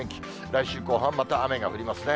来週後半、また雨が降りますね。